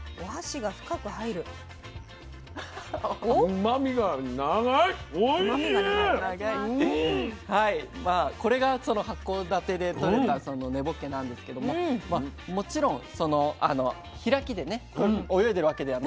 まあこれがその函館でとれたその根ぼっけなんですけどもまあもちろんその開きでね泳いでるわけではなく。